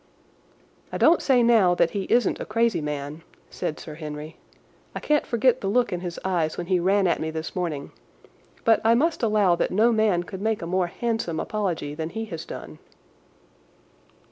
"I don't say now that he isn't a crazy man," said Sir Henry; "I can't forget the look in his eyes when he ran at me this morning, but I must allow that no man could make a more handsome apology than he has done."